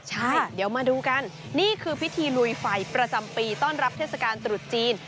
ใช่เดี๋ยวมาดูกันนี่คือพิธีลุยไฟประจำปีต้อนรับเทศกาลตรุษจีน